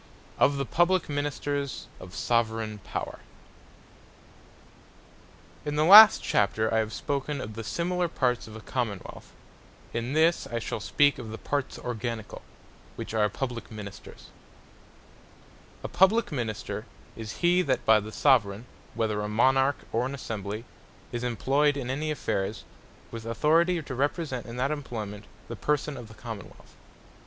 OF THE PUBLIQUE MINISTERS OF SOVERAIGN POWER In the last Chapter I have spoken of the Similar parts of a Common wealth; In this I shall speak of the parts Organicall, which are Publique Ministers. Publique Minister Who A PUBLIQUE MINISTER, is he, that by the Soveraign, (whether a Monarch, or an Assembly,) is employed in any affaires, with Authority to represent in that employment, the Person of the Common wealth.